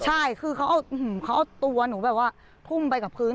ใช่คือเขาเอาตัวหนูแบบว่าทุ่มไปกับพื้น